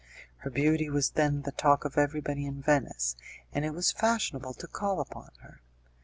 Her beauty was then the talk of everybody in Venice, and it was fashionable to call upon her.